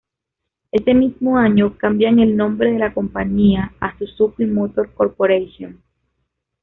Ese mismo año cambian el nombre de la compañía a "Suzuki Motor Corporation".